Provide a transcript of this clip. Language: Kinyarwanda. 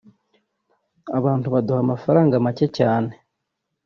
abantu baduha amafaranga macye cyane